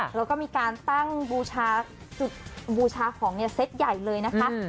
แล้วก็มีการตั้งบูชาของเซ็ตใหญ่เลยนะคะ